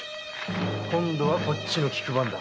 今度はこっちが聞く番だ。